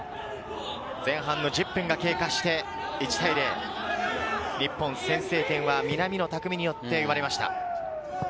前半の１０分が経過して１対０。日本、先制点は南野拓実によって生まれました。